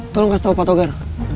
tolong kasih tahu pak togar